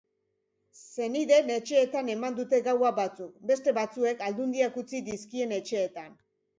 Senideen etxeetan eman dute gaua batzuk, beste batzuek aldundiak utzi dizkien etxeetan.